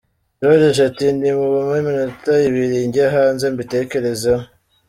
Joriji ati "nimumpe iminota ibiri njye hanze mbitekerezeho".